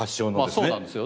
そうなんですよ。